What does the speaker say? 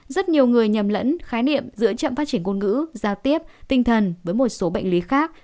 rất nhiều người nhầm lẫn khái niệm giữa chậm phát triển ngôn ngữ giao tiếp tinh thần với một số bệnh lý khác